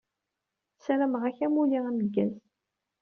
Sarameɣ-ak amulli d ameggaz.